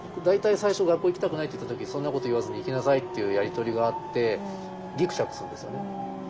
大体最初「学校行きたくない」って言った時「そんなこと言わずに行きなさい」っていうやり取りがあってぎくしゃくするんですよね。